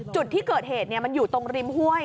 จุดที่เกิดเหตุมันอยู่ตรงริมห้วย